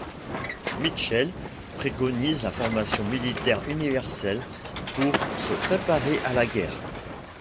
Mitchel préconise la formation militaire universelle pour se préparer à la guerre.